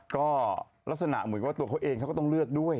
ก็ลักษณะเหมือนกับตัวเขาเองเขาก็ต้องเลือกด้วย